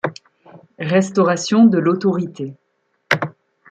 Restauration de l'autorité.